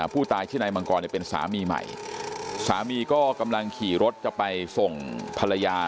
ผู้ตายชื่อนายมังกรเนี่ยเป็นสามีใหม่สามีก็กำลังขี่รถจะไปส่งภรรยา